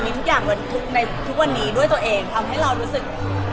มีทุกอย่างเหมือนทุกในทุกวันนี้ด้วยตัวเองทำให้เรารู้สึก